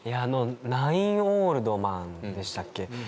ナイン・オールド・メンでしたっけ？